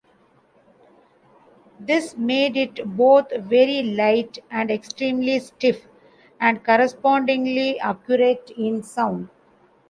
This made it both very light and extremely stiff, and correspondingly accurate in sound.